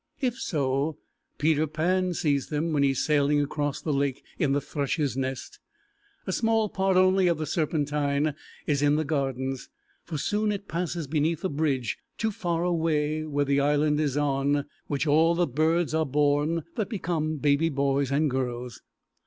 If so, Peter Pan sees them when he is sailing across the lake in the Thrush's Nest. A small part only of the Serpentine is in the Gardens, for soon it passes beneath a bridge to far away where the island is on which all the birds are born that become baby boys and girls.